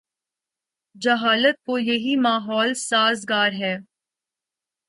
جہالت کو یہی ماحول سازگار ہے۔